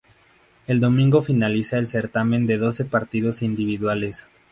El domingo finaliza el certamen con doce partidos individuales.